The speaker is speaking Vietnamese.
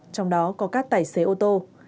trong đó có các tài xế ô tô